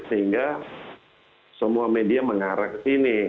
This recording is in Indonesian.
sehingga semua media mengarah ke sini